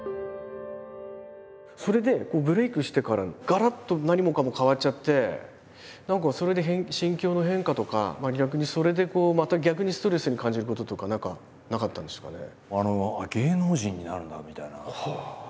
それでブレークしてからガラッと何もかも変わっちゃって何かそれで心境の変化とか逆にそれでこうまた逆にストレスに感じることとか何かなかったんですかね？